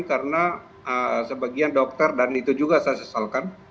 karena sebagian dokter dan itu juga saya sesalkan